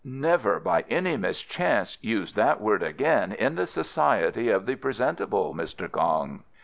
"Never, by any mischance, use that word again in the society of the presentable, Mr. Kong."